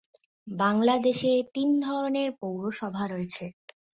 বাংলাদেশে তিন ধরনের পৌরসভা রয়েছে।